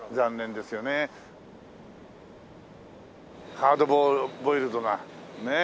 ハードボイルドなねえ。